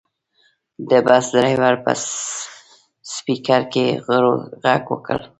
د بس ډریور په سپیکر کې غږ وکړ.